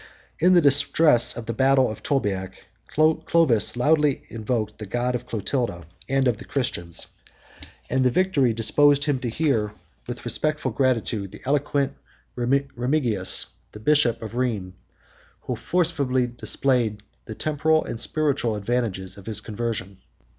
In the distress of the battle of Tolbiac, Clovis loudly invoked the God of Clotilda and the Christians; and victory disposed him to hear, with respectful gratitude, the eloquent 27 Remigius, 28 bishop of Rheims, who forcibly displayed the temporal and spiritual advantages of his conversion.